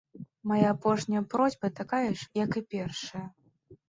Мая апошняя просьба такая ж, як і першая.